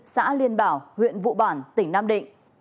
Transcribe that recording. xã liên bảo huyện vụ bản tỉnh nam định